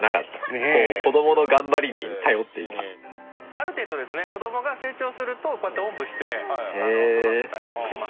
ある程度ですね子どもが成長するとこうやっておんぶして育てたりします。